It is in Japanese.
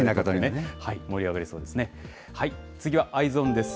盛り上がりそうですね。